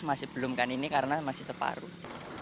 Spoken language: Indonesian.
masih belumkan ini karena masih separuh